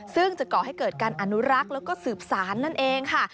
ซึ่งจะก่อให้เกิดการอนุรักษ์แล้วก็สืบสารนั่นเองค่ะ